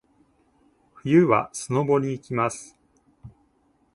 冬はスノボに行きます。